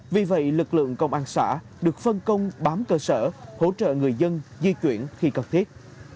vì vậy lực lượng công an xã được phân công bám cơ sở hỗ trợ người dân di chuyển khi cần thiết